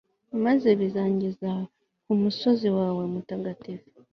maze bizangeze ku musozi wawe mutagatifu